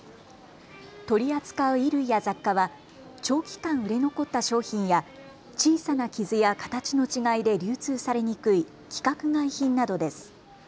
取り扱う衣服や雑貨は長期間売れ残った商品や小さな傷や形の違いで流通されにくい規格外品などです。